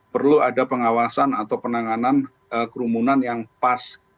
perlu ada pengawasan atau penanganan kerumunan yang pas